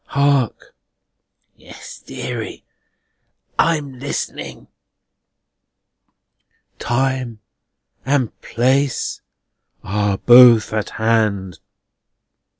Hark!" "Yes, deary. I'm listening." "Time and place are both at hand."